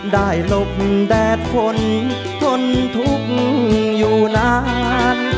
หลบแดดฝนทนทุกข์อยู่นาน